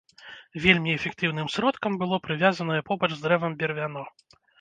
Вельмі эфектыўным сродкам было прывязанае побач з дрэвам бервяно.